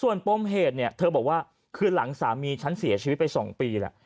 ส่วนปมเหตุเนี่ยเธอบอกว่าคือหลังสามีฉันเสียชีวิตไป๒ปีแล้ว